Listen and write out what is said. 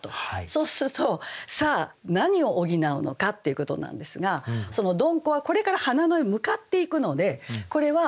そうすると何を補うのかっていうことなんですが鈍行はこれから花野へ向かっていくのでこれは。